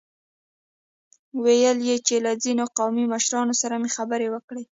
ويل يې چې له ځينو قومي مشرانو سره مې خبرې وکړې.